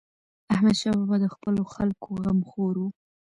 احمدشاه بابا د خپلو خلکو غمخور و.